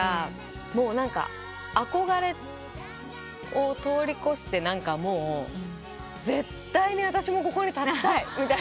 もう憧れを通り越して何かもう絶対に私もここに立ちたい。